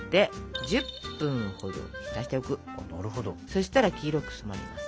そしたら黄色く染まります。